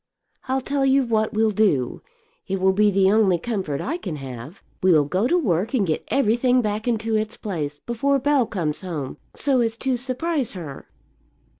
I'll tell you what we'll do; it will be the only comfort I can have; we'll go to work and get everything back into its place before Bell comes home, so as to surprise her."